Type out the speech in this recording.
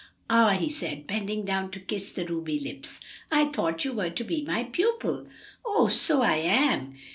"Ah," he said, bending down to kiss the ruby lips. "I thought you were to be my pupil." "Oh, so I am!